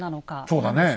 そうだね。